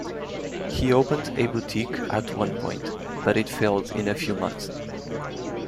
He opened a boutique at one point, but it failed in a few months.